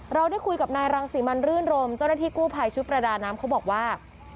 เราได้คุยกับนายรังสิมันรื่นรมเจ้าหน้าที่กู้ภัยชุดประดาน้ำเขาบอกว่า